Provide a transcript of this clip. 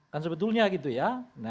kan sebetulnya gitu ya